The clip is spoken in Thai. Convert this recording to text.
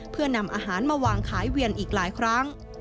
เพื่อนำอาหารมาวางขายเวียนอีกหลายครั้ง